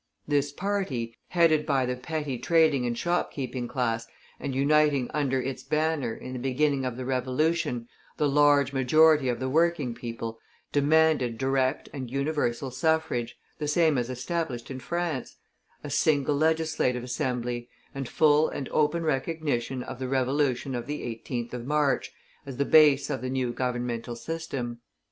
This party, headed by the petty trading and shopkeeping class, and uniting under its banner, in the beginning of the revolution, the large majority of the working people, demanded direct and universal suffrage, the same as established in France, a single legislative assembly, and full and open recognition of the revolution of the 18th of March, as the base of the new governmental system.